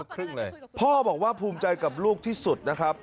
ครึ่งเลยพ่อบอกว่าภูมิใจกับลูกที่สุดนะครับ